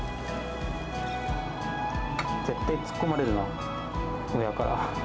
絶対突っ込まれるな、親から。